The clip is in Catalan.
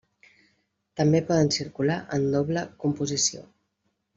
També poden circular en doble composició.